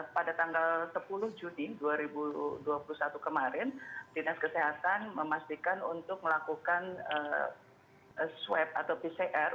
pada tanggal sepuluh juni dua ribu dua puluh satu kemarin dinas kesehatan memastikan untuk melakukan swab atau pcr